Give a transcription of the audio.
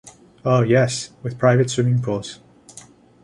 Oh, yes, with private swimming pools.